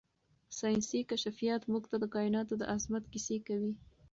ساینسي کشفیات موږ ته د کائناتو د عظمت کیسې کوي.